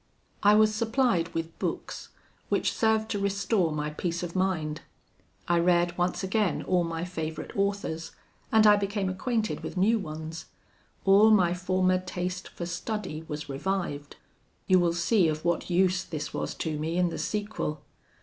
"I was supplied with books, which served to restore my peace of mind. I read once again all my favourite authors; and I became acquainted with new ones. All my former taste for study was revived. You will see of what use this was to me in the sequel.